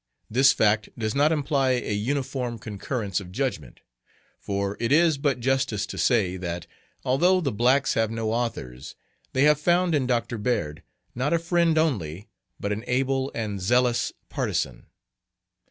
This fact does not imply a uniform concurrence of judgment. For it is but justice to say, that, although "the blacks have no authors," they have found in Dr. Beard not a friend only, but an able and zealous partisan.